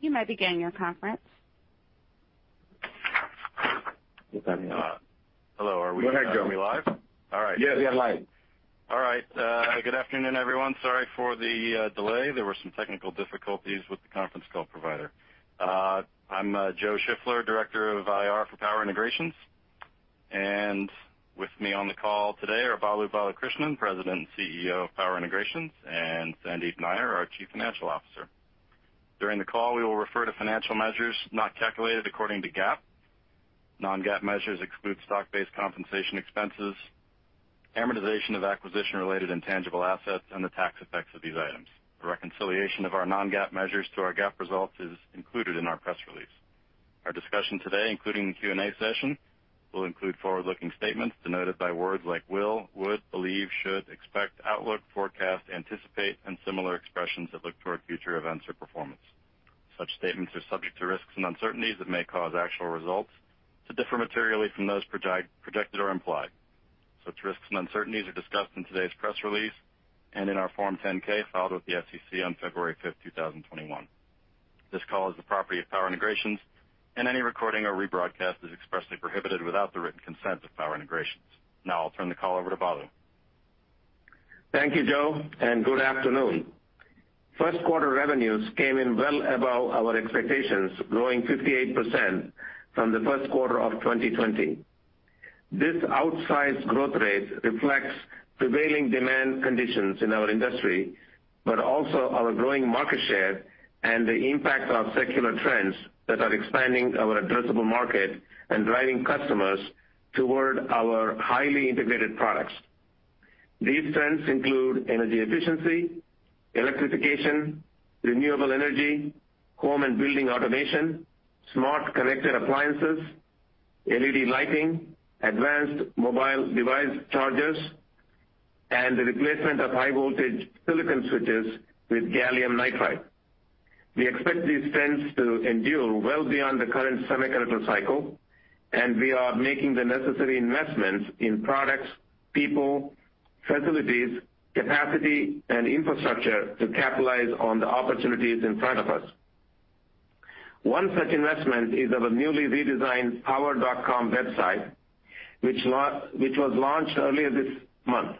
You may begin your conference. Hello. Go ahead, Joe. Are we live? All right. Yes, we are live. All right. Good afternoon, everyone. Sorry for the delay. There were some technical difficulties with the conference call provider. I'm Joe Shiffler, Director of IR for Power Integrations. With me on the call today are Balu Balakrishnan, President and CEO of Power Integrations, and Sandeep Nayyar, our Chief Financial Officer. During the call, we will refer to financial measures not calculated according to GAAP. non-GAAP measures exclude stock-based compensation expenses, amortization of acquisition-related intangible assets, and the tax effects of these items. A reconciliation of our non-GAAP measures to our GAAP results is included in our press release. Our discussion today, including the Q&A session, will include forward-looking statements denoted by words like will, would, believe, should, expect, outlook, forecast, anticipate, and similar expressions that look toward future events or performance. Such statements are subject to risks and uncertainties that may cause actual results to differ materially from those projected or implied. Such risks and uncertainties are discussed in today's press release and in our Form 10-K filed with the SEC on February 5th, 2021. This call is the property of Power Integrations, and any recording or rebroadcast is expressly prohibited without the written consent of Power Integrations. I'll turn the call over to Balu. Thank you, Joe. Good afternoon. First quarter revenues came in well above our expectations, growing 58% from the first quarter of 2020. This outsized growth rate reflects prevailing demand conditions in our industry, but also our growing market share and the impact of secular trends that are expanding our addressable market and driving customers toward our highly integrated products. These trends include energy efficiency, electrification, renewable energy, home and building automation, smart connected appliances, LED lighting, advanced mobile device chargers, and the replacement of high-voltage silicon switches with gallium nitride. We expect these trends to endure well beyond the current semiconductor cycle. We are making the necessary investments in products, people, facilities, capacity, and infrastructure to capitalize on the opportunities in front of us. One such investment is of a newly redesigned power.com website, which was launched earlier this month.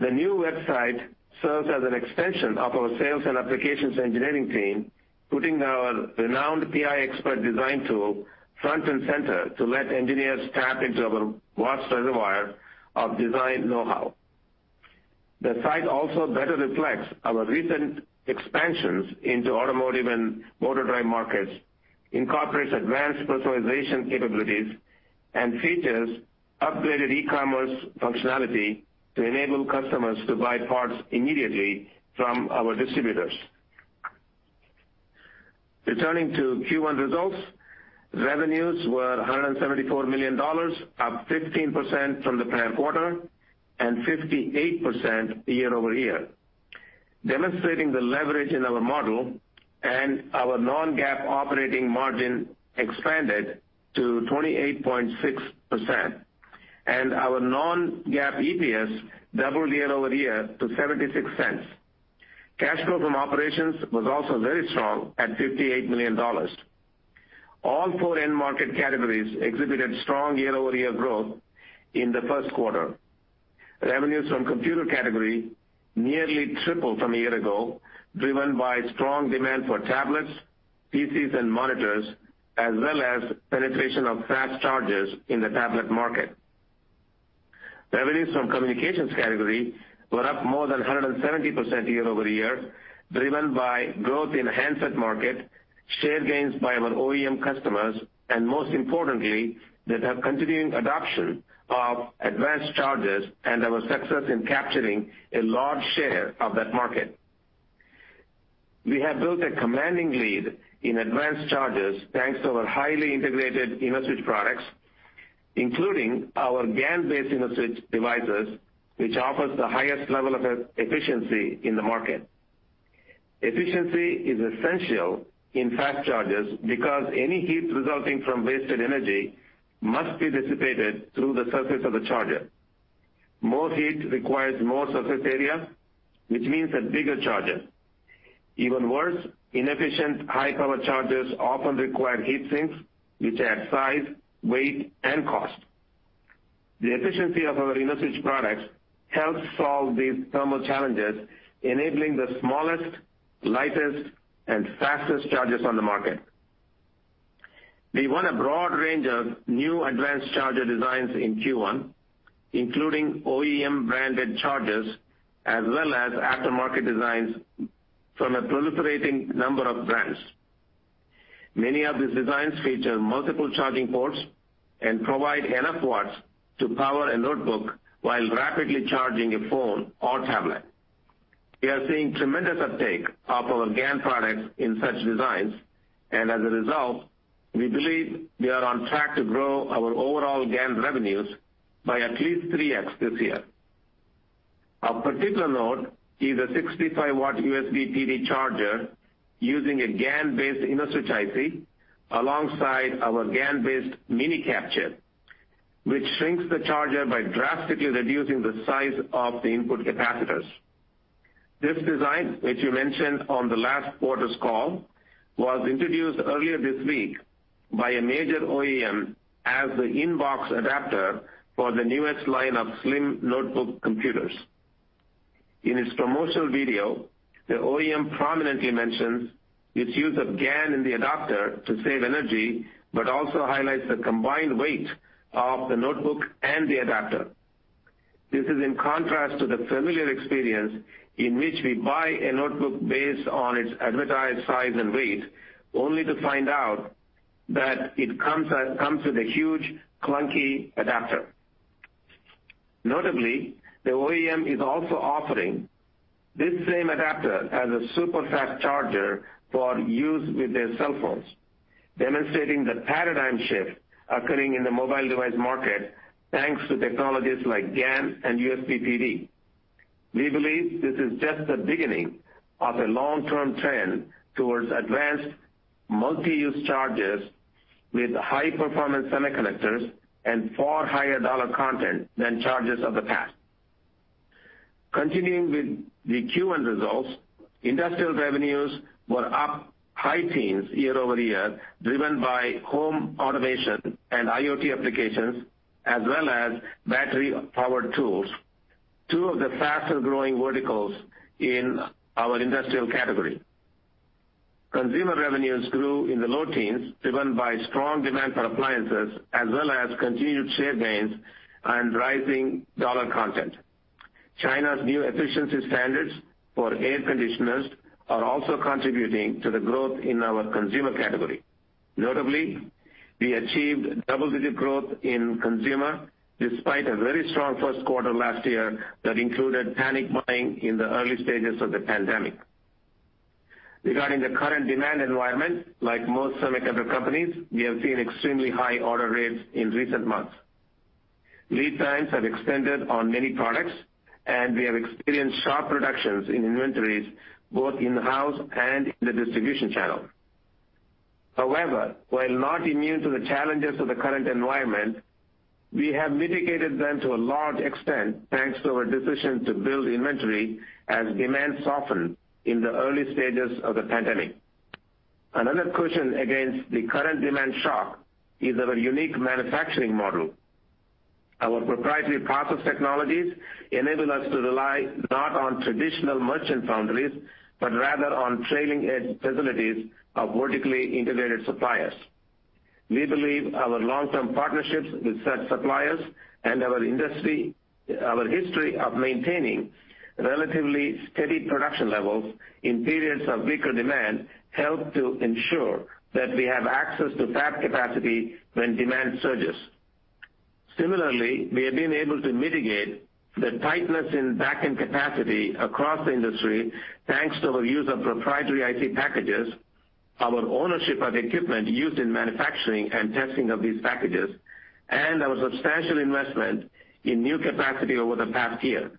The new website serves as an extension of our sales and applications engineering team, putting our renowned PI Expert design tool front and center to let engineers tap into our vast reservoir of design know-how. The site also better reflects our recent expansions into automotive and motor drive markets, incorporates advanced personalization capabilities, and features upgraded e-commerce functionality to enable customers to buy parts immediately from our distributors. Returning to Q1 results, revenues were $174 million, up 15% from the prior quarter and 58% year-over-year, demonstrating the leverage in our model, and our non-GAAP operating margin expanded to 28.6%, and our non-GAAP EPS doubled year-over-year to $0.76. Cash flow from operations was also very strong at $58 million. All four end market categories exhibited strong year-over-year growth in the first quarter. Revenues from computer category nearly tripled from a year ago, driven by strong demand for tablets, PCs and monitors, as well as penetration of fast chargers in the tablet market. Revenues from communications category were up more than 170% year-over-year, driven by growth in handset market, share gains by our OEM customers, and most importantly, the continuing adoption of advanced chargers and our success in capturing a large share of that market. We have built a commanding lead in advanced chargers thanks to our highly integrated InnoSwitch products, including our GaN-based InnoSwitch devices, which offers the highest level of efficiency in the market. Efficiency is essential in fast chargers because any heat resulting from wasted energy must be dissipated through the surface of the charger. More heat requires more surface area, which means a bigger charger. Even worse, inefficient high-power chargers often require heat sinks, which add size, weight, and cost. The efficiency of our InnoSwitch products helps solve these thermal challenges, enabling the smallest, lightest, and fastest chargers on the market. We won a broad range of new advanced charger designs in Q1, including OEM-branded chargers, as well as aftermarket designs from a proliferating number of brands. Many of these designs feature multiple charging ports and provide enough watts to power a notebook while rapidly charging a phone or tablet. We are seeing tremendous uptake of our GaN products in such designs, and as a result, we believe we are on track to grow our overall GaN revenues by at least 3X this year. Of particular note is a 65-watt USB PD charger using a GaN-based InnoSwitch IC alongside our GaN-based MinE-CAP chip, which shrinks the charger by drastically reducing the size of the input capacitors. This design, which we mentioned on the last quarter's call, was introduced earlier this week by a major OEM as the inbox adapter for the newest line of slim notebook computers. In its promotional video, the OEM prominently mentions its use of GaN in the adapter to save energy, but also highlights the combined weight of the notebook and the adapter. This is in contrast to the familiar experience in which we buy a notebook based on its advertised size and weight, only to find out that it comes with a huge, clunky adapter. Notably, the OEM is also offering this same adapter as a super-fast charger for use with their cell phones, demonstrating the paradigm shift occurring in the mobile device market, thanks to technologies like GaN and USB PD. We believe this is just the beginning of a long-term trend towards advanced multi-use chargers with high-performance semiconductors and far higher dollar content than chargers of the past. Continuing with the Q1 results, industrial revenues were up high teens year-over-year, driven by home automation and IoT applications, as well as battery-powered tools, two of the fastest-growing verticals in our industrial category. Consumer revenues grew in the low teens, driven by strong demand for appliances as well as continued share gains and rising dollar content. China's new efficiency standards for air conditioners are also contributing to the growth in our consumer category. Notably, we achieved double-digit growth in consumer despite a very strong first quarter last year that included panic buying in the early stages of the pandemic. Regarding the current demand environment, like most semiconductor companies, we have seen extremely high order rates in recent months. Lead times have extended on many products, and we have experienced sharp reductions in inventories both in-house and in the distribution channel. However, while not immune to the challenges of the current environment, we have mitigated them to a large extent, thanks to our decision to build inventory as demand softened in the early stages of the pandemic. Another cushion against the current demand shock is our unique manufacturing model. Our proprietary process technologies enable us to rely not on traditional merchant foundries, but rather on trailing edge facilities of vertically integrated suppliers. We believe our long-term partnerships with such suppliers and our history of maintaining relatively steady production levels in periods of weaker demand help to ensure that we have access to fab capacity when demand surges. Similarly, we have been able to mitigate the tightness in backend capacity across the industry, thanks to our use of proprietary IC packages, our ownership of equipment used in manufacturing and testing of these packages, and our substantial investment in new capacity over the past year.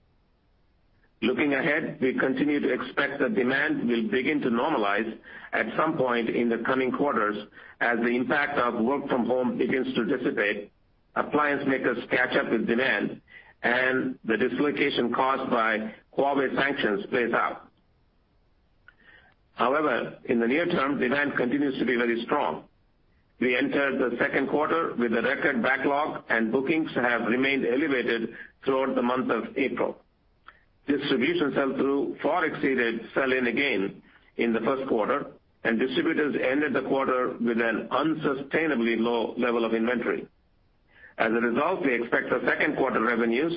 Looking ahead, we continue to expect that demand will begin to normalize at some point in the coming quarters as the impact of work from home begins to dissipate, appliance makers catch up with demand, and the dislocation caused by Huawei sanctions plays out. However, in the near term, demand continues to be very strong. We entered the second quarter with a record backlog, and bookings have remained elevated throughout the month of April. Distribution sell-through far exceeded sell-in again in the first quarter, and distributors ended the quarter with an unsustainably low level of inventory. As a result, we expect our second quarter revenues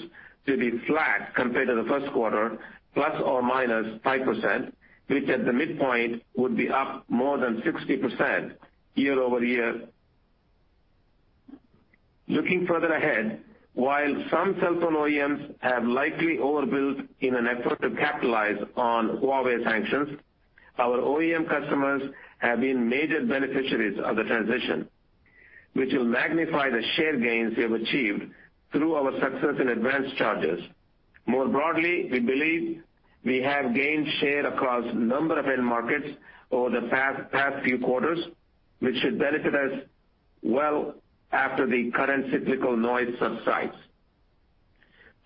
to be flat compared to the first quarter, ±5%, which at the midpoint would be up more than 60% year-over-year. Looking further ahead, while some cell phone OEMs have likely overbuilt in an effort to capitalize on Huawei sanctions, our OEM customers have been major beneficiaries of the transition, which will magnify the share gains we have achieved through our success in advanced chargers. More broadly, we believe we have gained share across a number of end markets over the past few quarters, which should benefit us well after the current cyclical noise subsides.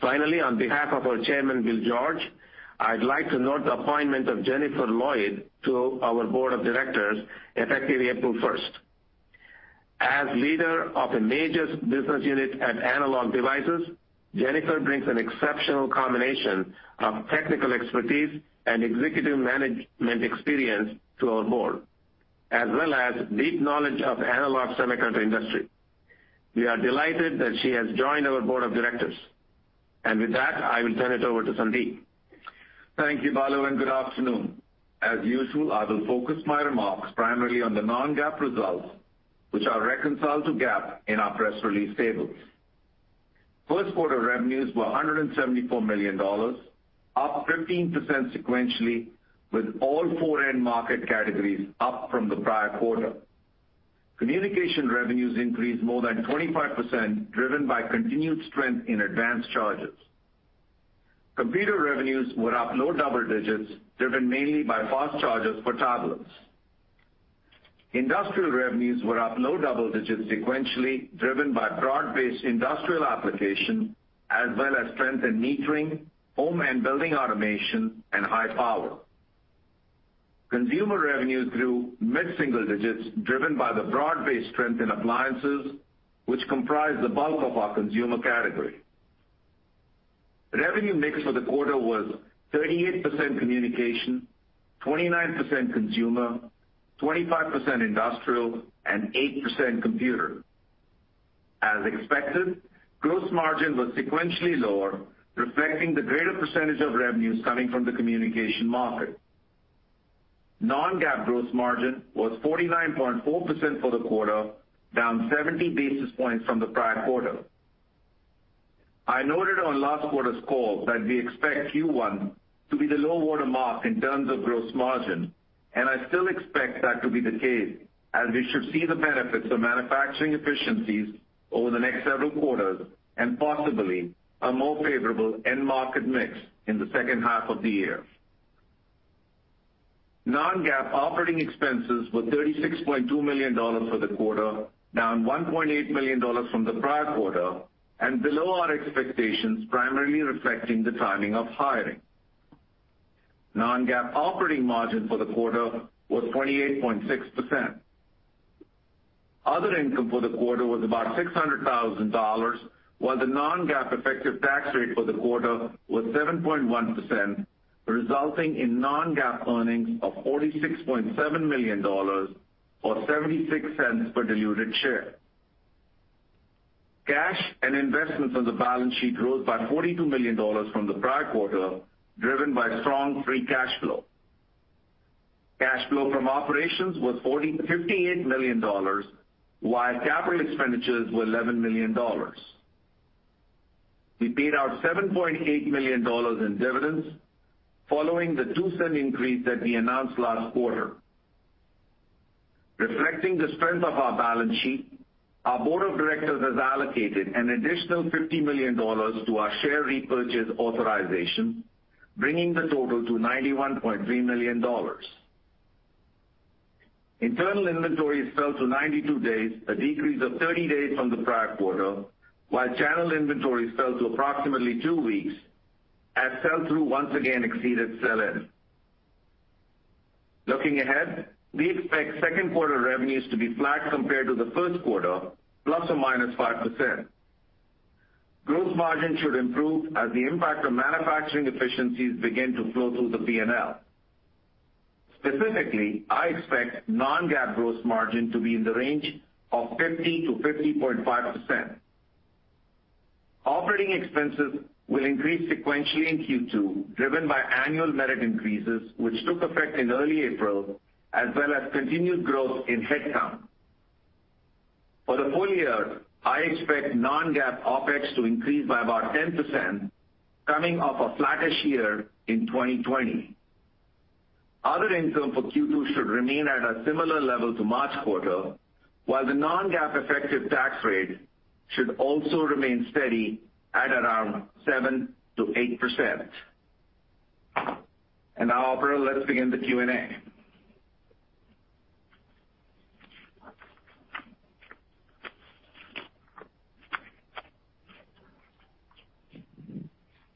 Finally, on behalf of our Chairman, Will George, I'd like to note the appointment of Jennifer Lloyd to our Board of Directors, effective April 1st. As leader of a major business unit at Analog Devices, Jennifer brings an exceptional combination of technical expertise and executive management experience to our board, as well as deep knowledge of analog semiconductor industry. We are delighted that she has joined our board of directors. With that, I will turn it over to Sandeep. Thank you, Balu, and good afternoon. As usual, I will focus my remarks primarily on the non-GAAP results, which are reconciled to GAAP in our press release tables. first quarter revenues were $174 million, up 15% sequentially, with all four end market categories up from the prior quarter. Communication revenues increased more than 25%, driven by continued strength in advanced chargers. Computer revenues were up low double digits, driven mainly by fast chargers for tablets. Industrial revenues were up low double digits sequentially, driven by broad-based industrial application, as well as strength in metering, home and building automation, and high power. Consumer revenues grew mid-single digits, driven by the broad-based strength in appliances, which comprise the bulk of our consumer category. Revenue mix for the quarter was 38% communication, 29% consumer, 25% industrial, and 8% computer. As expected, gross margin was sequentially lower, reflecting the greater percentage of revenues coming from the communication market. Non-GAAP gross margin was 49.4% for the quarter, down 70 basis points from the prior quarter. I noted on last quarter's call that we expect Q1 to be the low water mark in terms of gross margin, and I still expect that to be the case as we should see the benefits of manufacturing efficiencies over the next several quarters, and possibly a more favorable end market mix in the second half of the year. Non-GAAP operating expenses were $36.2 million for the quarter, down $1.8 million from the prior quarter, and below our expectations, primarily reflecting the timing of hiring. Non-GAAP operating margin for the quarter was 28.6%. Other income for the quarter was about $600,000, while the non-GAAP effective tax rate for the quarter was 7.1%, resulting in non-GAAP earnings of $46.7 million, or $0.76 per diluted share. Cash and investments on the balance sheet rose by $42 million from the prior quarter, driven by strong free cash flow. Cash flow from operations was $58 million, while capital expenditures were $11 million. We paid out $7.8 million in dividends following the $0.02 increase that we announced last quarter. Reflecting the strength of our balance sheet, our board of directors has allocated an additional $50 million to our share repurchase authorization, bringing the total to $91.3 million. Internal inventories fell to 92 days, a decrease of 30 days from the prior quarter, while channel inventories fell to approximately two weeks as sell-through once again exceeded sell-in. Looking ahead, we expect second quarter revenues to be flat compared to the first quarter, ±5%. Gross margin should improve as the impact of manufacturing efficiencies begin to flow through the P&L. Specifically, I expect non-GAAP gross margin to be in the range of 50%-50.5%. Operating expenses will increase sequentially in Q2, driven by annual merit increases, which took effect in early April, as well as continued growth in headcount. For the full year, I expect non-GAAP OpEx to increase by about 10%, coming off a flattish year in 2020. Other income for Q2 should remain at a similar level to March quarter, while the non-GAAP effective tax rate should also remain steady at around 7%-8%. Now operator, let's begin the Q&A.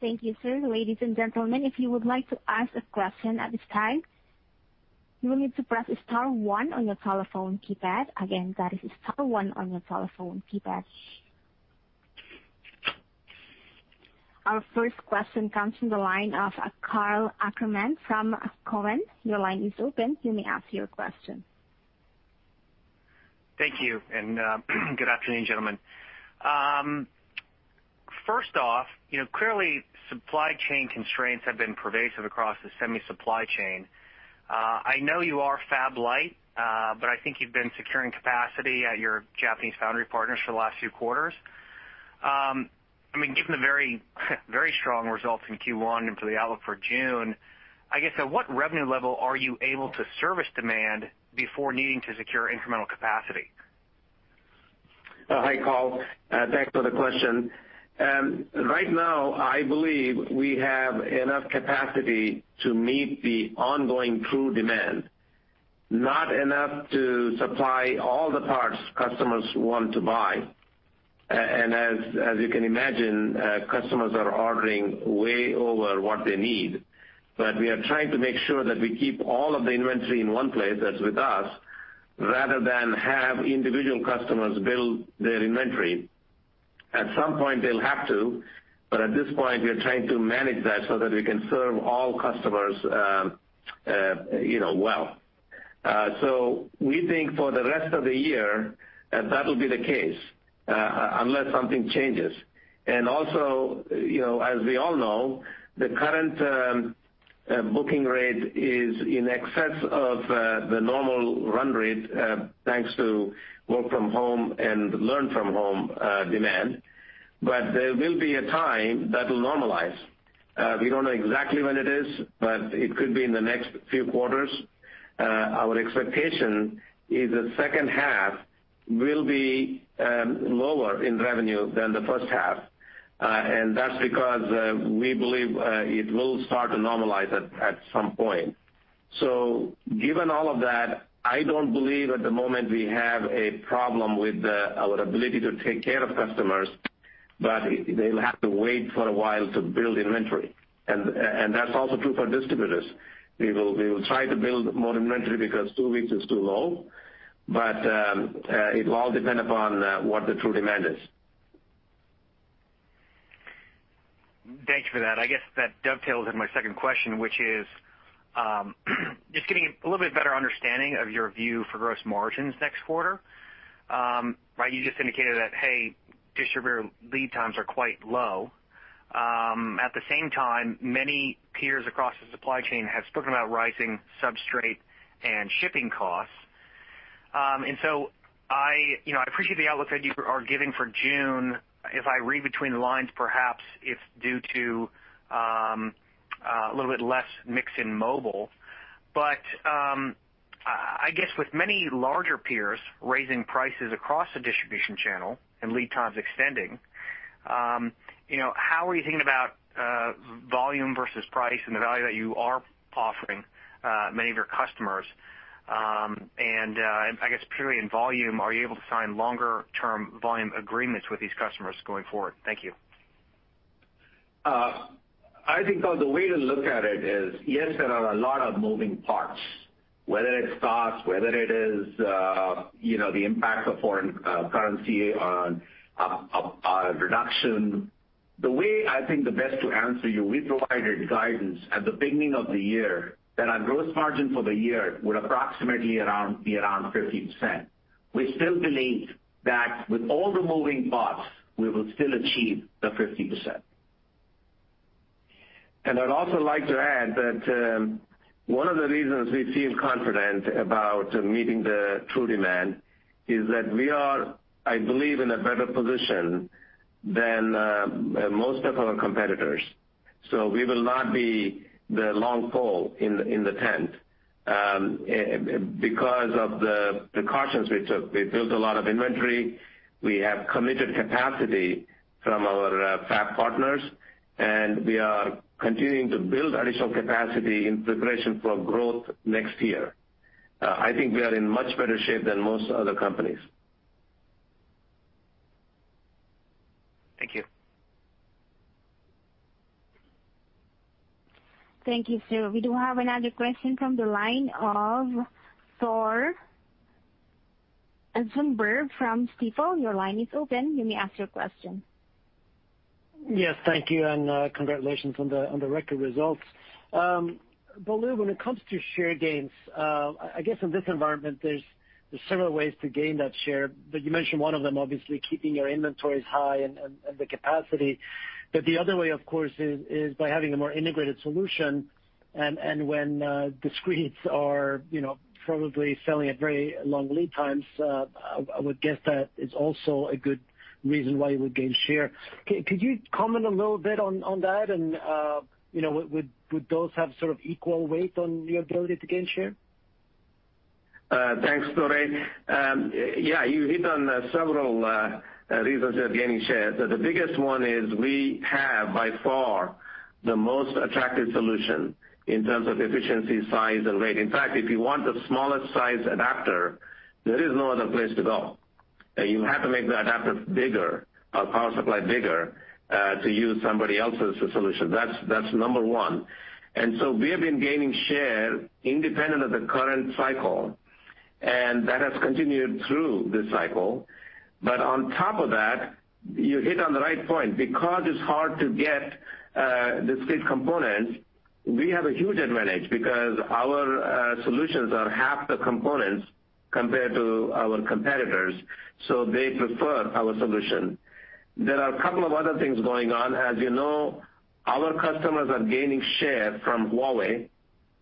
Thank you, sir. Ladies and gentlemen, if you would like to ask a question at this time, you will need to press star one on your telephone keypad. Again, that is star one on your telephone keypad. Our first question comes from the line of Karl Ackerman from Cowen. Your line is open. You may ask your question. Thank you. Good afternoon, gentlemen. First off, clearly supply chain constraints have been pervasive across the semi supply chain. I know you are fab light, but I think you've been securing capacity at your Japanese foundry partners for the last few quarters. Given the very strong results in Q1 and for the outlook for June, I guess at what revenue level are you able to service demand before needing to secure incremental capacity? Hi, Karl. Thanks for the question. Right now, I believe we have enough capacity to meet the ongoing true demand, not enough to supply all the parts customers want to buy. As you can imagine, customers are ordering way over what they need. We are trying to make sure that we keep all of the inventory in one place, that's with us, rather than have individual customers build their inventory. At some point they'll have to, but at this point, we are trying to manage that so that we can serve all customers well. We think for the rest of the year, that'll be the case, unless something changes. Also, as we all know, the current booking rate is in excess of the normal run rate, thanks to work from home and learn from home demand, there will be a time that'll normalize. We don't know exactly when it is, but it could be in the next few quarters. Our expectation is the second half will be lower in revenue than the first half. That's because we believe it will start to normalize at some point. Given all of that, I don't believe at the moment we have a problem with our ability to take care of customers, but they'll have to wait for a while to build inventory. That's also true for distributors. We will try to build more inventory because two weeks is too low, but it will all depend upon what the true demand is. Thanks for that. I guess that dovetails into my second question, which is, just getting a little bit better understanding of your view for gross margins next quarter. You just indicated that distributor lead times are quite low. At the same time, many peers across the supply chain have spoken about rising substrate and shipping costs. I appreciate the outlook that you are giving for June. If I read between the lines, perhaps it's due to a little bit less mix in mobile. I guess with many larger peers raising prices across the distribution channel and lead times extending, how are you thinking about volume versus price and the value that you are offering many of your customers? I guess period volume, are you able to sign longer-term volume agreements with these customers going forward? Thank you. I think the way to look at it is, yes, there are a lot of moving parts. Whether it's costs, whether it is the impact of foreign currency on a reduction. The way I think the best to answer you, we provided guidance at the beginning of the year that our gross margin for the year would approximately be around 50%. We still believe that with all the moving parts, we will still achieve the 50%. I'd also like to add that one of the reasons we feel confident about meeting the true demand is that we are, I believe, in a better position than most of our competitors. We will not be the long pole in the tent. Because of the precautions we took, we built a lot of inventory, we have committed capacity from our fab partners, and we are continuing to build additional capacity in preparation for growth next year. I think we are in much better shape than most other companies. Thank you. Thank you, sir. We do have another question from the line of Tore Svanberg from Stifel. Your line is open. You may ask your question. Yes, thank you. Congratulations on the record results. Balu, when it comes to share gains, I guess in this environment, there's several ways to gain that share. You mentioned one of them, obviously, keeping your inventories high and the capacity. The other way, of course, is by having a more integrated solution, and when discretes are probably selling at very long lead times, I would guess that it's also a good reason why you would gain share. Could you comment a little bit on that and would those have sort of equal weight on your ability to gain share? Thanks, Tore. Yeah, you hit on several reasons we are gaining share. The biggest one is we have, by far, the most attractive solution in terms of efficiency, size, and weight. In fact, if you want the smallest size adapter, there is no other place to go. You have to make the adapter bigger, our power supply bigger, to use somebody else's solution. That's number one. We have been gaining share independent of the current cycle, and that has continued through this cycle. On top of that, you hit on the right point. Because it's hard to get discrete components, we have a huge advantage because our solutions are half the components compared to our competitors, so they prefer our solution. There are a couple of other things going on. As you know, our customers are gaining share from Huawei,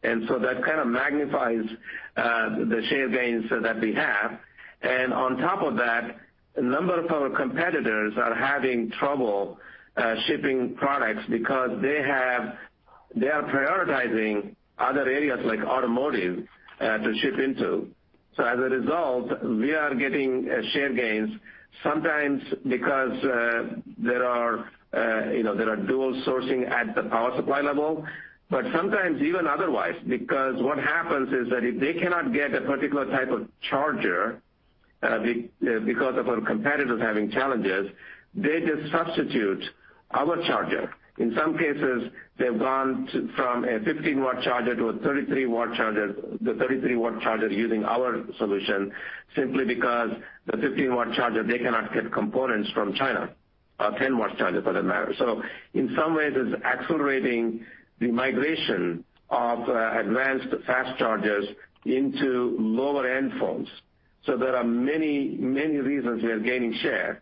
and so that kind of magnifies the share gains that we have. On top of that, a number of our competitors are having trouble shipping products because they are prioritizing other areas like automotive to ship into. As a result, we are getting share gains, sometimes because there are dual sourcing at the power supply level, but sometimes even otherwise. What happens is that if they cannot get a particular type of charger, because of our competitors having challenges, they just substitute our charger. In some cases, they've gone from a 15-watt charger to a 33-watt charger, the 33-watt charger using our solution, simply because the 15-watt charger, they cannot get components from China, or a 10-watt charger for that matter. In some ways, it's accelerating the migration of advanced fast chargers into lower-end phones. There are many reasons we are gaining share.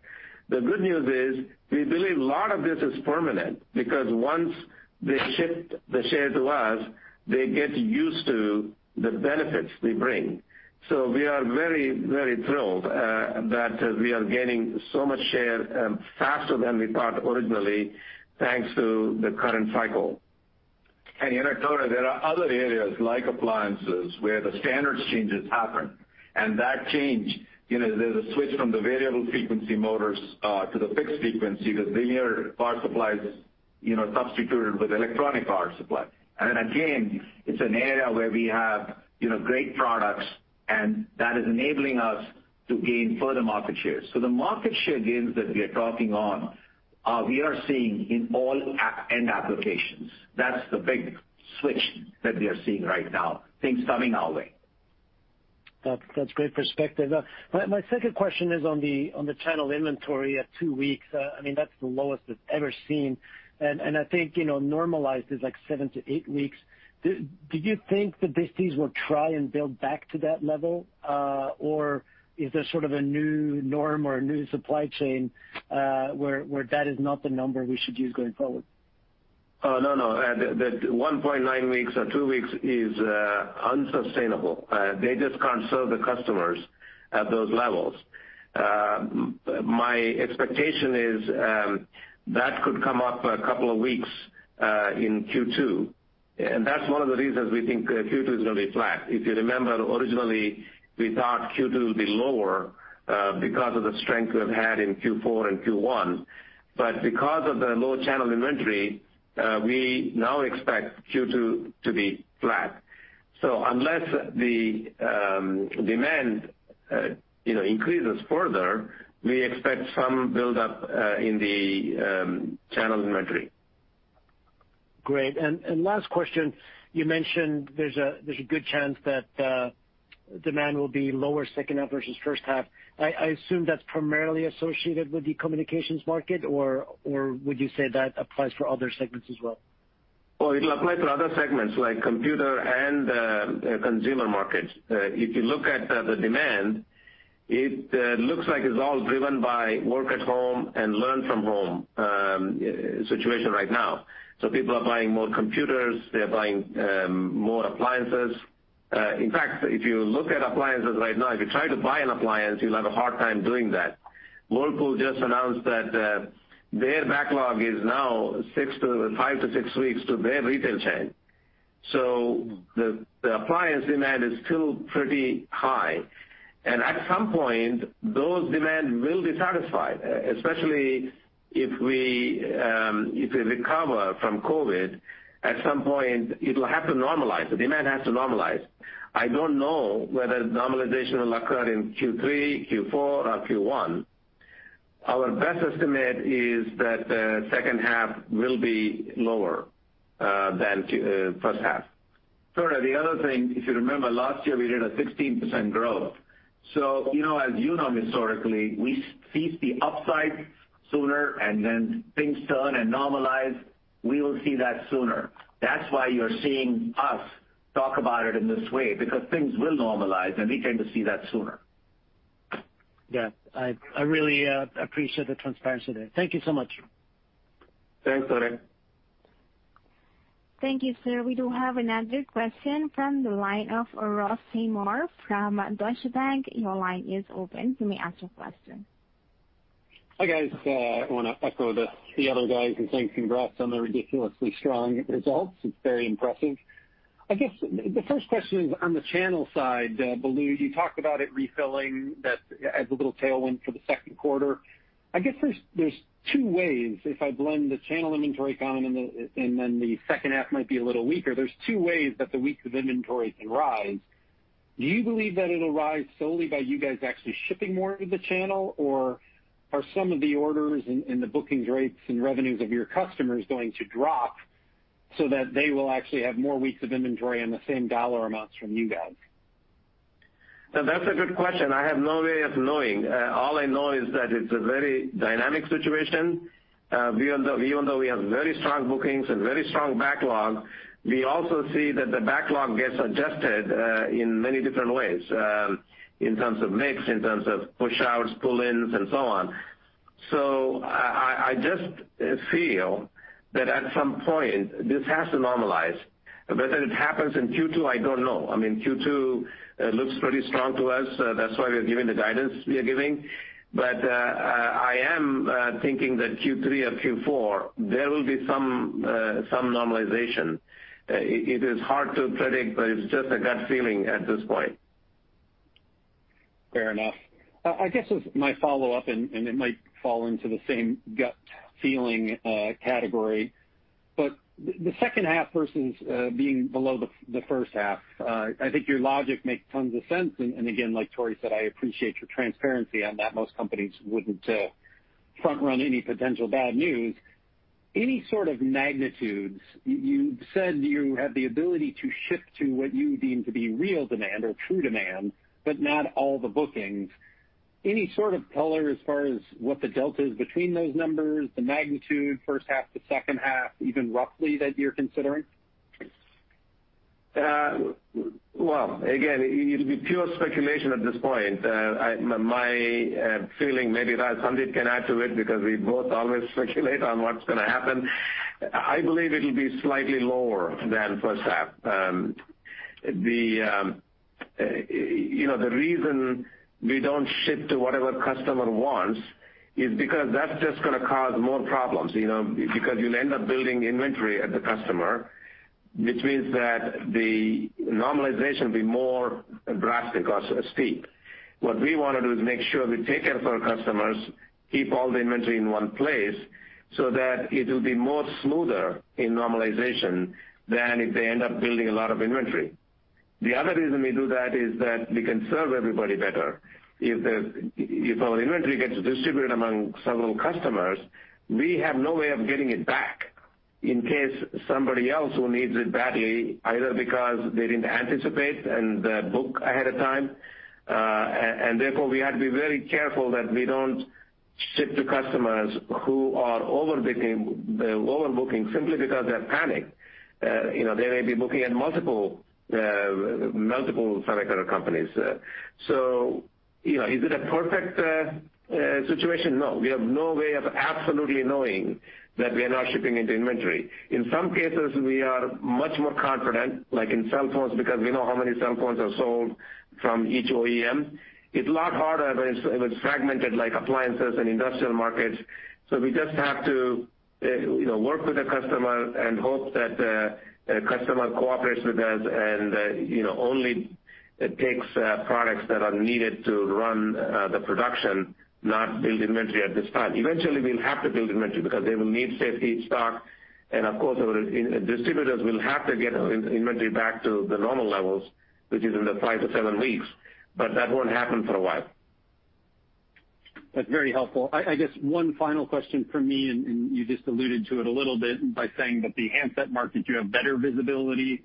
The good news is we believe a lot of this is permanent, because once they shift the share to us, they get used to the benefits we bring. We are very thrilled that we are gaining so much share faster than we thought originally, thanks to the current cycle. In October, there are other areas like appliances where the standards changes happen. That change, there's a switch from the variable frequency motors to the fixed frequency, the linear power supplies substituted with electronic power supply. Again, it's an area where we have great products, and that is enabling us to gain further market share. The market share gains that we are talking on, we are seeing in all end applications. That's the big switch that we are seeing right now, things coming our way. That's great perspective. My second question is on the channel inventory at two weeks. That's the lowest it's ever been. I think, normalized, it's like seven-eight weeks. Do you think the disties will try and build back to that level? Is there sort of a new norm or a new supply chain, where that is not the number we should use going forward? No. The 1.9 weeks or two weeks is unsustainable. They just can't serve the customers at those levels. My expectation is that could come up a couple of weeks in Q2, and that's one of the reasons we think Q2 is going to be flat. If you remember, originally, we thought Q2 would be lower because of the strength we have had in Q4 and Q1. Because of the low channel inventory, we now expect Q2 to be flat. Unless the demand increases further, we expect some build-up in the channel inventory. Great. Last question, you mentioned there's a good chance that demand will be lower second half versus first half. I assume that's primarily associated with the communications market, or would you say that applies for other segments as well? Well, it'll apply to other segments like computer and consumer markets. If you look at the demand, it looks like it's all driven by work at home and learn from home situation right now. People are buying more computers. They're buying more appliances. In fact, if you look at appliances right now, if you try to buy an appliance, you'll have a hard time doing that. Whirlpool just announced that their backlog is now five-six weeks to their retail chain. The appliance demand is still pretty high. At some point, those demands will be satisfied, especially if we recover from COVID, at some point, it'll have to normalize. The demand has to normalize. I don't know whether normalization will occur in Q3, Q4, or Q1. Our best estimate is that the second half will be lower than first half. Tore, the other thing, if you remember last year, we did a 16% growth. As you know historically, we see the upside sooner, and then things turn and normalize, we will see that sooner. That's why you're seeing us talk about it in this way, because things will normalize, and we tend to see that sooner. Yeah. I really appreciate the transparency there. Thank you so much. Thanks, Tore. Thank you, sir. We do have another question from the line of Ross Seymore from Deutsche Bank. Your line is open. You may ask your question. Hi, guys. I want to echo the other guys and say congrats on the ridiculously strong results. It's very impressive. I guess the first question is on the channel side, Balu, you talked about it refilling as a little tailwind for the second quarter. I guess there's two ways if I blend the channel inventory comment and then the second half might be a little weaker. There's two ways that the weeks of inventory can rise. Do you believe that it'll rise solely by you guys actually shipping more to the channel? Are some of the orders and the bookings rates and revenues of your customers going to drop so that they will actually have more weeks of inventory and the same dollar amounts from you guys? That's a good question. I have no way of knowing. All I know is that it's a very dynamic situation. Even though we have very strong bookings and very strong backlog, we also see that the backlog gets adjusted in many different ways, in terms of mix, in terms of push-outs, pull-ins, and so on. I just feel that at some point, this has to normalize. Whether it happens in Q2, I don't know. Q2 looks pretty strong to us. That's why we are giving the guidance we are giving. I am thinking that Q3 or Q4, there will be some normalization. It is hard to predict, but it's just a gut feeling at this point. Fair enough. I guess as my follow-up, it might fall into the same gut feeling category, but the second half versus being below the first half, I think your logic makes tons of sense. Again, like Tore said, I appreciate your transparency on that. Most companies wouldn't front run any potential bad news. Any sort of magnitudes, you said you have the ability to ship to what you deem to be real demand or true demand, but not all the bookings. Any sort of color as far as what the delta is between those numbers, the magnitude, first half to second half, even roughly that you're considering? Well, again, it'll be pure speculation at this point. My feeling, maybe if Sandeep can add to it, because we both always speculate on what's going to happen. I believe it'll be slightly lower than first half. The reason we don't ship to whatever customer wants is because that's just going to cause more problems, because you'll end up building inventory at the customer, which means that the normalization will be more drastic or steep. What we want to do is make sure we take care of our customers, keep all the inventory in one place, so that it will be more smoother in normalization than if they end up building a lot of inventory. The other reason we do that is that we can serve everybody better. If our inventory gets distributed among several customers, we have no way of getting it back in case somebody else who needs it badly, either because they didn't anticipate and book ahead of time. Therefore, we have to be very careful that we don't ship to customers who are overbooking simply because they're panic. They may be booking at multiple semiconductor companies. Is it a perfect situation? No. We have no way of absolutely knowing that we are not shipping into inventory. In some cases, we are much more confident, like in cell phones, because we know how many cell phones are sold from each OEM. It's a lot harder when it's fragmented like appliances and industrial markets. We just have to work with the customer and hope that the customer cooperates with us and, only takes products that are needed to run the production, not build inventory at this time. Eventually, we'll have to build inventory because they will need safety stock, and of course, our distributors will have to get inventory back to the normal levels, which is in the five-seven weeks, but that won't happen for a while. That's very helpful. I guess one final question from me, and you just alluded to it a little bit by saying that the handset market, you have better visibility.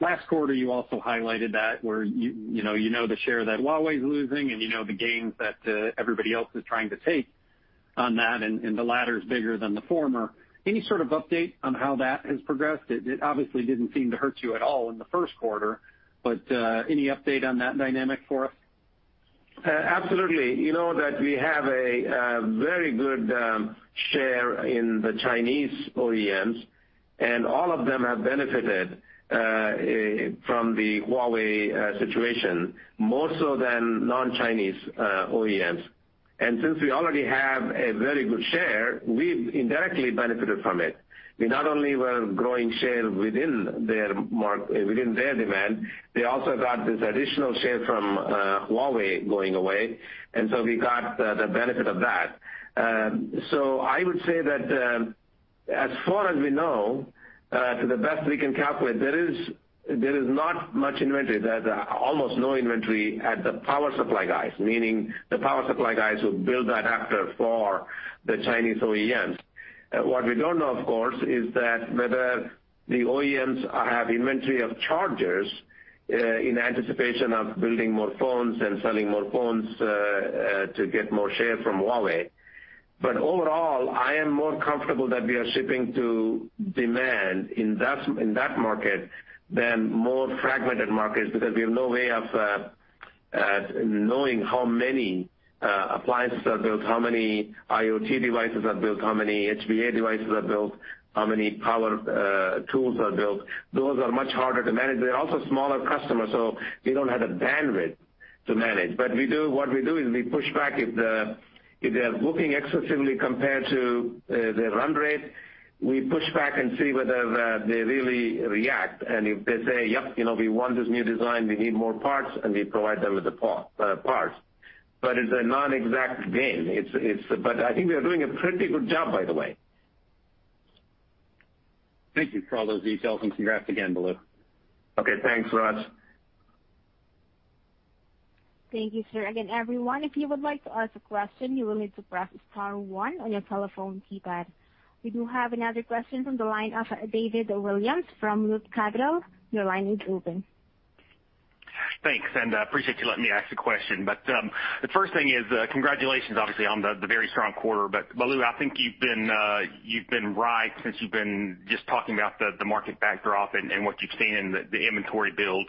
Last quarter, you also highlighted that where you know the share that Huawei's losing and you know the gains that everybody else is trying to take on that, and the latter is bigger than the former. Any sort of update on how that has progressed? It obviously didn't seem to hurt you at all in the first quarter, but any update on that dynamic for us? Absolutely. You know that we have a very good share in the Chinese OEMs. All of them have benefited from the Huawei situation, more so than non-Chinese OEMs. Since we already have a very good share, we've indirectly benefited from it. We not only were growing share within their demand, they also got this additional share from Huawei going away, we got the benefit of that. I would say that, as far as we know, to the best we can calculate, there is not much inventory. There's almost no inventory at the power supply guys, meaning the power supply guys who build the adapter for the Chinese OEMs. What we don't know, of course, is that whether the OEMs have inventory of chargers in anticipation of building more phones and selling more phones, to get more share from Huawei. Overall, I am more comfortable that we are shipping to demand in that market than more fragmented markets, because we have no way of knowing how many appliances are built, how many IoT devices are built, how many HVAC devices are built, how many power tools are built. Those are much harder to manage. They're also smaller customers, so we don't have the bandwidth to manage. What we do is we push back if they're booking excessively compared to their run rate. We push back and see whether they really react, and if they say, "Yep, we want this new design, we need more parts," and we provide them with the parts. It's a non-exact game. I think we are doing a pretty good job, by the way. Thank you for all those details, congrats again, Balu. Okay. Thanks, Ross. Thank you, sir. Everyone, if you would like to ask a question, you will need to press star one on your telephone keypad. We do have another question from the line of David Williams from Loop Capital. Your line is open. Thanks, appreciate you letting me ask the question. The first thing is, congratulations, obviously, on the very strong quarter. Balu, I think you've been right since you've been just talking about the market backdrop and what you've seen in the inventory build.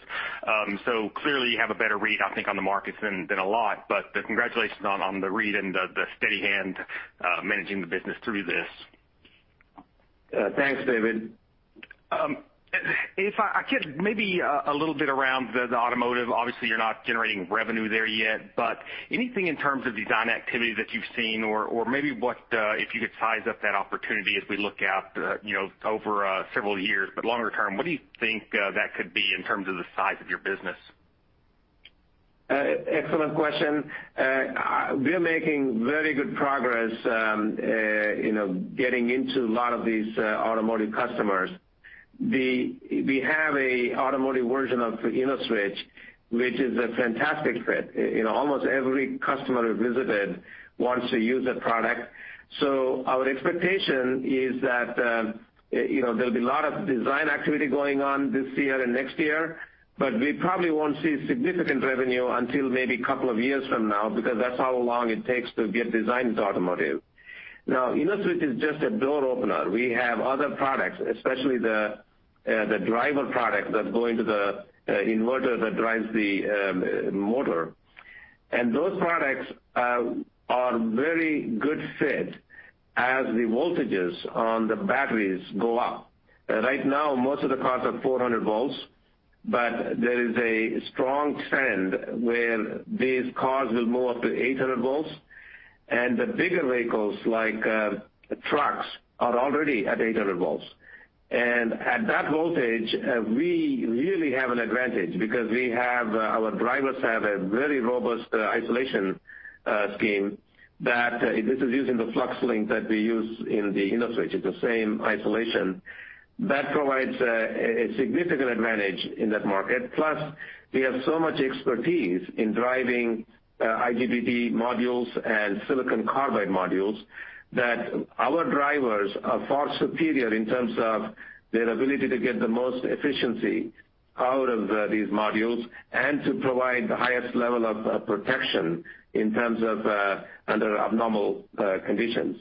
Clearly, you have a better read, I think, on the markets than a lot. Congratulations on the read and the steady hand managing the business through this. Thanks, David. If I could, maybe a little bit around the automotive. Obviously, you're not generating revenue there yet, but anything in terms of design activity that you've seen? Or maybe if you could size up that opportunity as we look out, over several years, but longer term, what do you think that could be in terms of the size of your business? Excellent question. We're making very good progress getting into a lot of these automotive customers. We have an automotive version of InnoSwitch, which is a fantastic fit. Almost every customer we visited wants to use the product. Our expectation is that there'll be a lot of design activity going on this year and next year, but we probably won't see significant revenue until maybe a couple of years from now, because that's how long it takes to get designs automotive. InnoSwitch is just a door opener. We have other products, especially the driver product that go into the inverter that drives the motor. Those products are very good fit as the voltages on the batteries go up. Right now, most of the cars are 400 volts, but there is a strong trend where these cars will move to 800 volts, and the bigger vehicles like trucks are already at 800 volts. At that voltage, we really have an advantage because our drivers have a very robust isolation scheme. This is using the FluxLink that we use in the InnoSwitch, it's the same isolation. That provides a significant advantage in that market. We have so much expertise in driving IGBT modules and silicon carbide modules that our drivers are far superior in terms of their ability to get the most efficiency out of these modules and to provide the highest level of protection in terms of under abnormal conditions.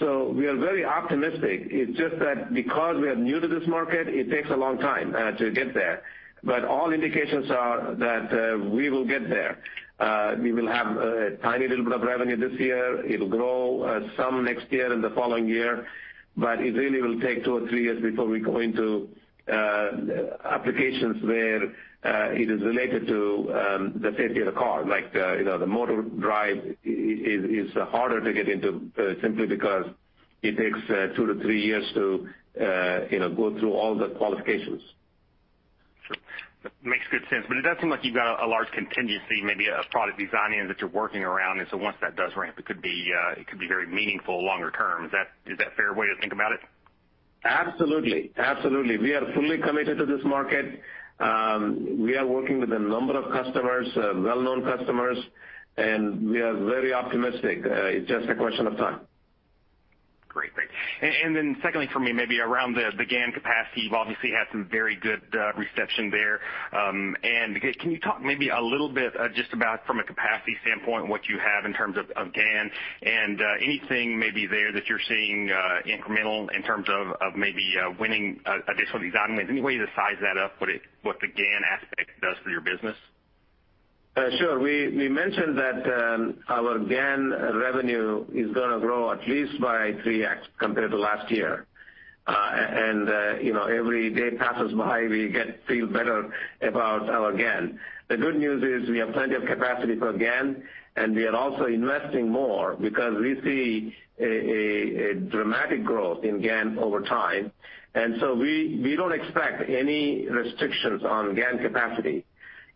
We are very optimistic. It's just that because we are new to this market, it takes a long time to get there. All indications are that we will get there. We will have a tiny little bit of revenue this year. It'll grow some next year and the following year. It really will take two or three years before we go into applications where it is related to the safety of the car. Like the motor drive is harder to get into, simply because it takes two-three years to go through all the qualifications. Sure. Makes good sense. It does seem like you've got a large contingency, maybe a product design-in that you're working around. Once that does ramp, it could be very meaningful longer term. Is that a fair way to think about it? Absolutely. We are fully committed to this market. We are working with a number of customers, well-known customers. We are very optimistic. It's just a question of time. Great. Secondly for me, maybe around the GaN capacity, you've obviously had some very good reception there. Can you talk maybe a little bit, just about from a capacity standpoint, what you have in terms of GaN? Anything maybe there that you're seeing incremental in terms of maybe winning additional design wins? Any way to size that up, what the GaN aspect does for your business? Sure. We mentioned that our GaN revenue is going to grow at least by 3x compared to last year. Every day passes by, we feel better about our GaN. The good news is we have plenty of capacity for GaN, and we are also investing more because we see a dramatic growth in GaN over time. So we don't expect any restrictions on GaN capacity.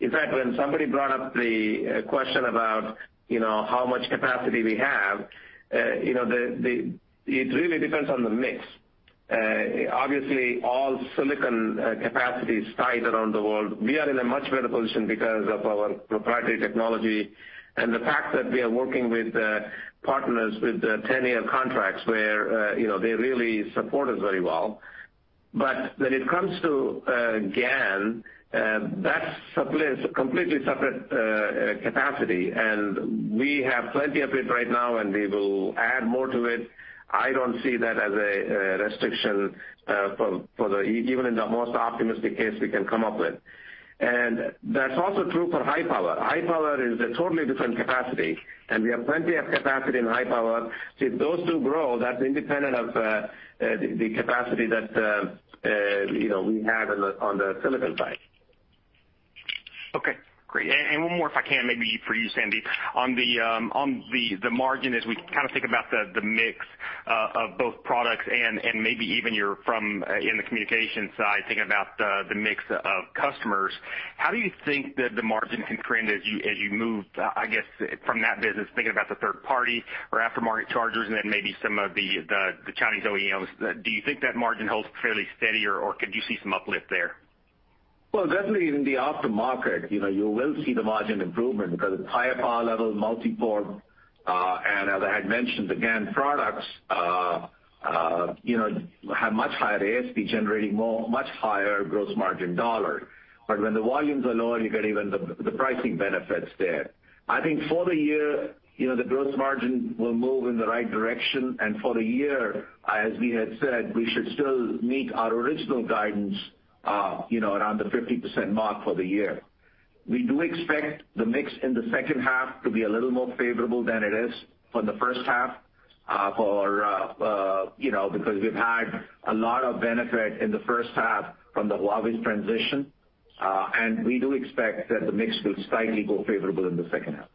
In fact, when somebody brought up the question about how much capacity we have, it really depends on the mix. Obviously, all silicon capacity is tight around the world. We are in a much better position because of our proprietary technology and the fact that we are working with partners with 10-year contracts, where they really support us very well. When it comes to GaN, that's completely separate capacity, and we have plenty of it right now, and we will add more to it. I don't see that as a restriction, even in the most optimistic case we can come up with. That's also true for high power. High power is a totally different capacity, and we have plenty of capacity in high power. If those two grow, that's independent of the capacity that we have on the silicon side. Okay, great. One more if I can, maybe for you, Sandeep. On the margin, as we kind of think about the mix of both products and maybe even in the communication side, thinking about the mix of customers, how do you think that the margin can trend as you move, I guess, from that business, thinking about the third party or aftermarket chargers and then maybe some of the Chinese OEMs. Do you think that margin holds fairly steady, or could you see some uplift there? Well, definitely in the aftermarket, you will see the margin improvement because it's higher power level, multi-port, and as I had mentioned, the GaN products have much higher ASP, generating much higher gross margin dollar. When the volumes are low, you get even the pricing benefits there. I think for the year, the gross margin will move in the right direction, and for the year, as we had said, we should still meet our original guidance, around the 50% mark for the year. We do expect the mix in the second half to be a little more favorable than it is from the first half, because we've had a lot of benefit in the first half from the Huawei transition. We do expect that the mix will slightly go favorable in the second half.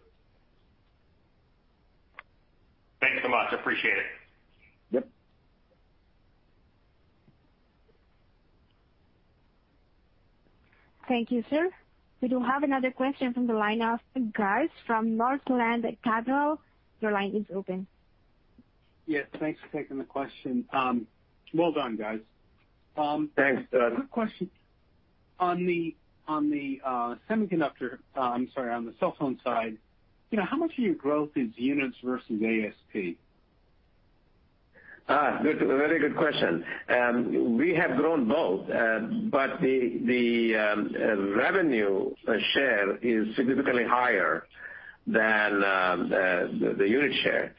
Thanks so much. Appreciate it. Yep. Thank you, sir. We do have another question from the line of Gus Richard from Northland Capital Markets. Your line is open. Yes, thanks for taking the question. Well done, guys. Thanks, Gus. Quick question. I'm sorry, on the cell phone side, how much of your growth is units versus ASP? Good. A very good question. We have grown both, but the revenue share is significantly higher than the unit share,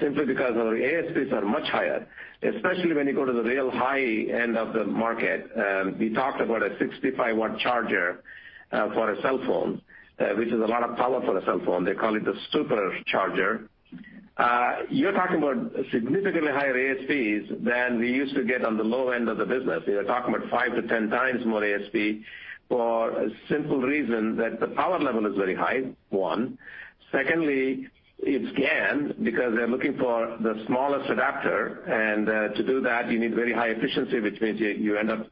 simply because our ASPs are much higher, especially when you go to the real high end of the market. We talked about a 65-watt charger for a cell phone, which is a lot of power for a cell phone. They call it the supercharger. You're talking about significantly higher ASPs than we used to get on the low end of the business. You're talking about 5-10 times more ASP for a simple reason, that the power level is very high, one. Secondly, it's GaN, because they're looking for the smallest adapter, and to do that, you need very high efficiency, which means you end up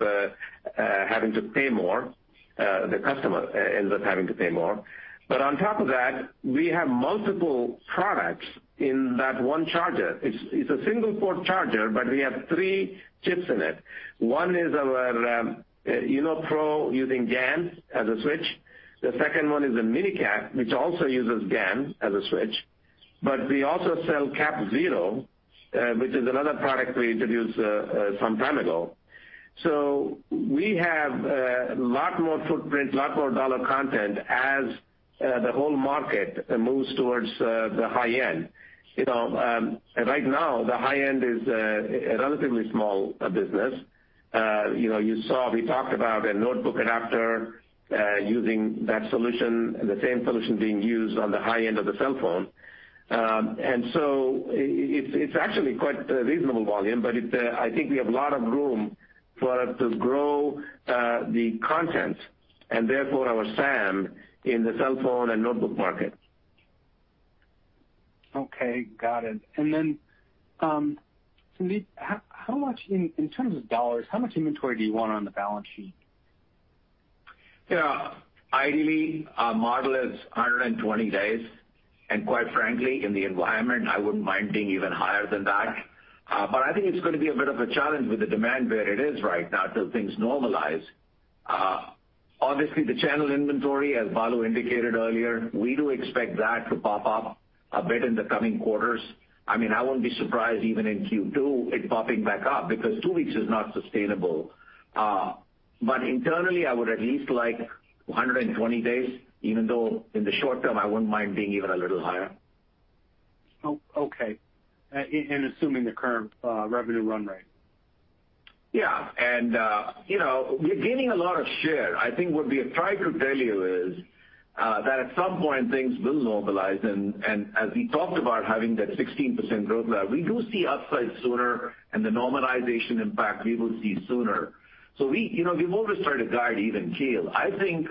having to pay more, the customer ends up having to pay more. On top of that, we have multiple products in that one charger. It's a single-port charger, but we have three chips in it. One is our InnoSwitch using GaN as a switch. The second one is a MinE-CAP, which also uses GaN as a switch. We also sell ClampZero, which is another product we introduced some time ago. We have a lot more footprint, lot more $ content as the whole market moves towards the high end. Right now, the high end is a relatively small business. You saw we talked about a notebook adapter using that solution, and the same solution being used on the high end of the cell phone. It's actually quite reasonable volume, but I think we have a lot of room for it to grow the content, and therefore our SAM in the cell phone and notebook market. Okay, got it. Sandeep, in terms of dollars, how much inventory do you want on the balance sheet? Ideally, our model is 120 days, and quite frankly, in the environment, I wouldn't mind being even higher than that. I think it's going to be a bit of a challenge with the demand where it is right now till things normalize. Obviously, the channel inventory, as Balu indicated earlier, we do expect that to pop up a bit in the coming quarters. I wouldn't be surprised even in Q2 it popping back up, because two weeks is not sustainable. Internally, I would at least like 120 days, even though in the short term, I wouldn't mind being even a little higher. Okay. Assuming the current revenue run rate. Yeah. We're gaining a lot of share. I think what we have tried to tell you is that at some point, things will normalize, and as we talked about having that 16% growth rate, we do see upside sooner and the normalization impact we will see sooner. We've always tried to guide even keel. I think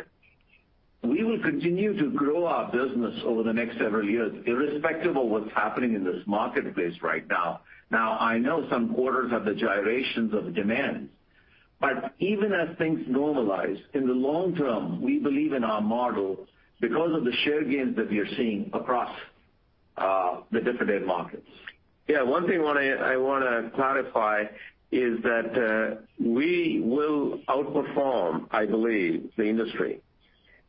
we will continue to grow our business over the next several years, irrespective of what's happening in this marketplace right now. Now, I know some quarters have the gyrations of demand. Even as things normalize, in the long term, we believe in our model because of the share gains that we are seeing across the different end markets. Yeah, one thing I want to clarify is that we will outperform, I believe, the industry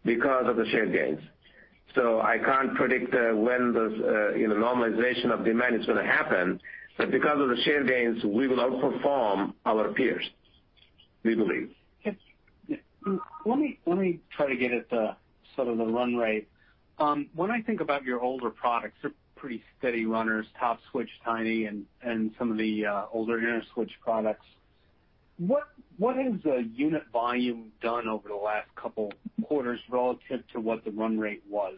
because of the share gains. I can't predict when this normalization of demand is going to happen, but because of the share gains, we will outperform our peers, we believe. Yes. Let me try to get at sort of the run rate. When I think about your older products, they're pretty steady runners, TOPSwitch, TinySwitch, and some of the older InnoSwitch products. What has the unit volume done over the last couple quarters relative to what the run rate was?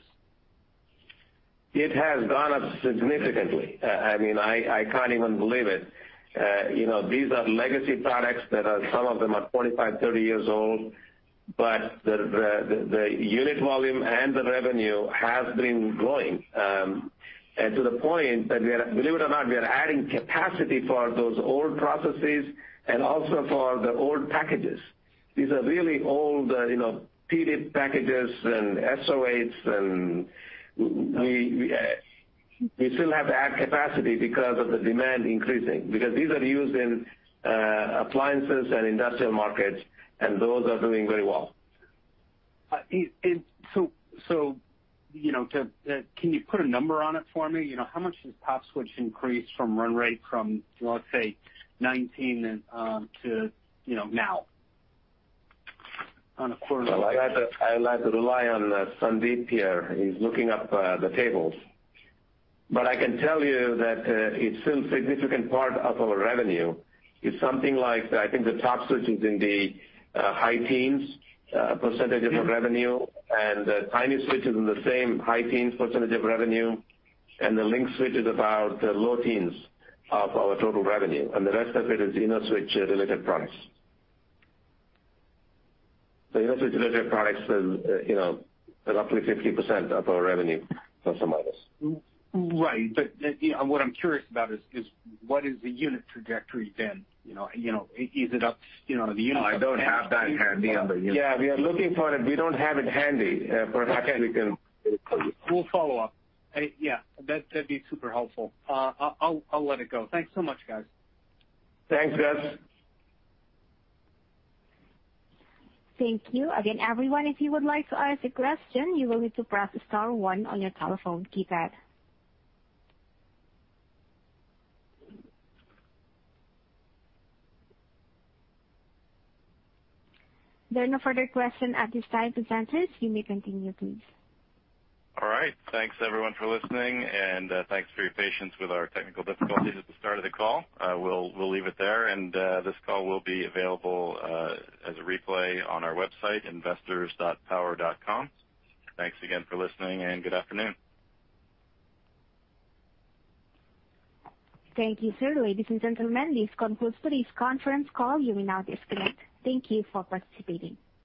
It has gone up significantly. I can't even believe it. These are legacy products that some of them are 25, 30 years old, but the unit volume and the revenue has been growing, to the point that, believe it or not, we are adding capacity for those old processes and also for the old packages. These are really old PDIP packages and SOICs, and we still have to add capacity because of the demand increasing, because these are used in appliances and industrial markets, and those are doing very well. Can you put a number on it for me? How much has TOPSwitch increased from run rate from, let's say, 2019 to now on a quarter-over-quarter? I'll have to rely on Sandeep here, he's looking up the tables. I can tell you that it's still a significant part of our revenue. It's something like, I think the TOPSwitch is in the high teens percentage of our revenue, and the TinySwitch is in the same high teens percentage of revenue. The LinkSwitch is about the low teens of our total revenue, and the rest of it is InnoSwitch related products. The InnoSwitch related products is roughly 50% of our revenue plus or minus. Right. What I'm curious about is what is the unit trajectory then? I don't have that handy on the unit. Yeah, we are looking for it. We don't have it handy. Perhaps we can get it to you. We'll follow up. Yeah, that'd be super helpful. I'll let it go. Thanks so much, guys. Thanks, Gus. Thank you. Again, everyone, if you would like to ask a question, you will need to press star one on your telephone keypad. There are no further question at this time. Presenters, you may continue, please. All right. Thanks everyone for listening. Thanks for your patience with our technical difficulties at the start of the call. We'll leave it there. This call will be available as a replay on our website, investors.power.com. Thanks again for listening. Good afternoon. Thank you, sir. Ladies and gentlemen, this concludes today's conference call. You may now disconnect. Thank you for participating.